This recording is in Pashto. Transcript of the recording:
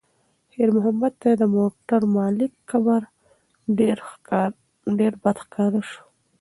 خیر محمد ته د موټر د مالک کبر ډېر بد ښکاره شو.